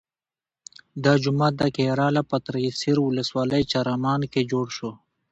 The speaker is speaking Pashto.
دا جومات د کیراله په تریسر ولسوالۍ چرامان کې جوړ شو.